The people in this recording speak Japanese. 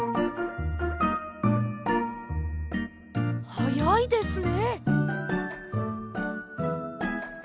はやいですね！